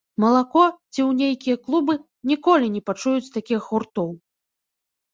Малако, ці ў нейкія клубы, ніколі не пачуюць такіх гуртоў.